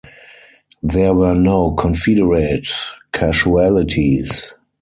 There were no Confederate casualties.